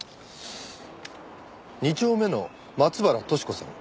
２丁目の松原敏子さん。